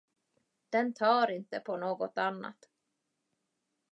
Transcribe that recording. Den tar inte på något annat.